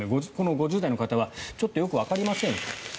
５０代の方はちょっとよくわかりませんと。